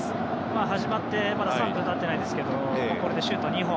始まってまだ３分経っていないですがこれでシュート２本。